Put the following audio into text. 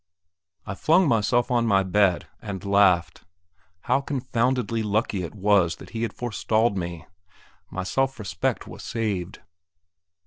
I flung myself on my bed, and laughed. How confoundedly lucky it was that he had forestalled me; my self respect was saved.